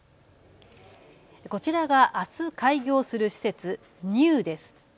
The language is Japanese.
こちらが、あす開業する施設、ＮＥＵＵです。